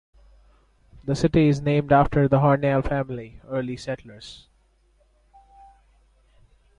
The city is named after the Hornell family, early settlers.